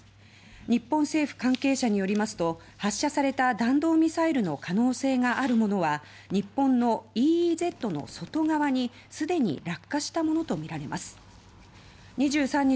日本政府関係者によりますと発射された弾道ミサイルの可能性があるものは日本のＥＥＺの外側に既に落下したものとみられます。